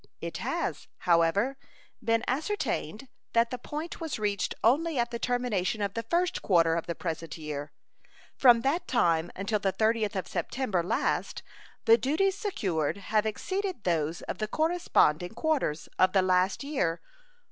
It has, however, been ascertained that that point was reached only at the termination of the first quarter of the present year. From that time until the 30th of September last the duties secured have exceeded those of the corresponding quarters of the last year $1.